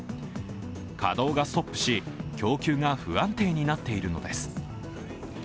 稼働がストップし供給が不安定になっているのです。